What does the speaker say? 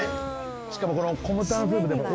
しかもこのコムタンスープ。